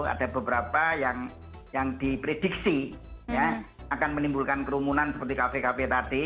ada beberapa yang diprediksi akan menimbulkan kerumunan seperti kafe kafe tadi